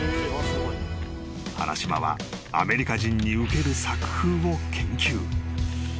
［原島はアメリカ人にウケる作風を研究］